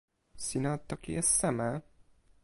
sina toki e seme?